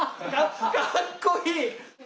かっこいい！